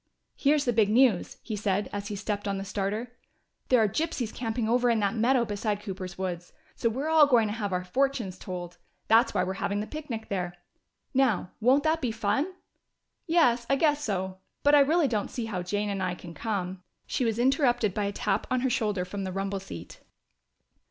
"Here's the big news," he said, as he stepped on the starter: "There are gypsies camping over in that meadow beside Cooper's woods! So we're all going to have our fortunes told. That's why we're having the picnic there. Now, won't that be fun?" "Yes, I guess so. But I really don't see how Jane and I can come " She was interrupted by a tap on her shoulder from the rumble seat.